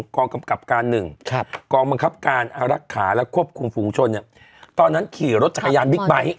กองกำกับการ๑กองบังคับการอารักษาและควบคุมฝูงชนเนี่ยตอนนั้นขี่รถจักรยานบิ๊กไบท์